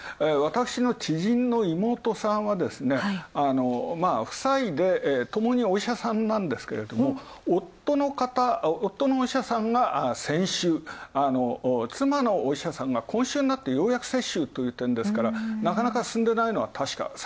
私の知人の妹さんはですね、夫妻でともに、お医者さんなんですけども夫のお医者さんが先週、妻のお医者さんが、今週になってようやく接種という点ですから、なかなか進んでないのは確か。